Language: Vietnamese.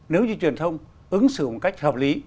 nếu như truyền thông ứng xử một cách hợp lý